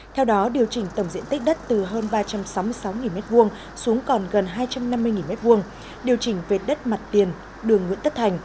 theo đó điều chỉnh tổng diện tích đất từ hơn ba trăm sáu mươi sáu m hai xuống còn gần hai trăm năm mươi m hai điều chỉnh vệt đất mặt tiền đường nguyễn tất thành